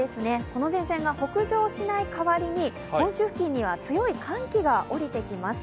この前線が北上しない代わりに、本州付近には強い寒気が降りてきます。